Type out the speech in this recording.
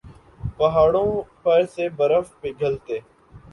پہاڑوں پر سے برف پگھلتے